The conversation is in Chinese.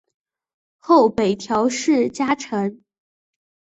后北条氏家臣。